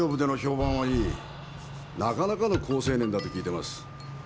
なかなかの好青年だと聞いてます。